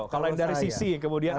kalau dari sisi kemudian agak